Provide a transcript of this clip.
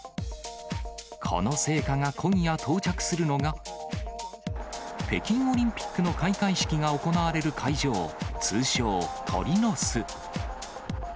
この聖火が今夜、到着するのが北京オリンピックの開会式が行われる会場、通称、鳥の巣。